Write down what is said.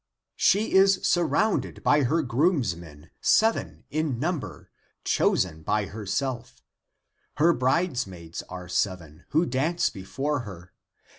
She is surrounded by her groomsmen, seven in number, Chosen by herself; Her bridesmaids are seven, Who dance before her.